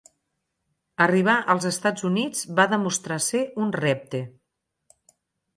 Arribar als Estats Units va demostrar ser un repte.